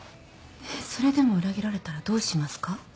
えっそれでも裏切られたらどうしますか？